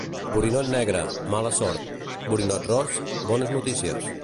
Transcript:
Borinot negre, mala sort; borinot ros, bones notícies.